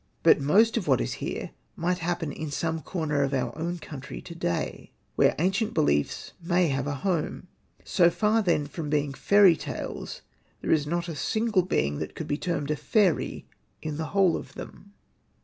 But ^ most of what is here might happen in some f^^* , corner of our own country to day, where ^\^: ancient beliefs may have a home. So far, ^ then, from being fairy tales there is not a single being that could be termed a fairy in the whole of them.